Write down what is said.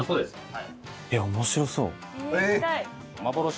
はい。